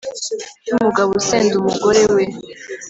cy'umugabo usenda umugore we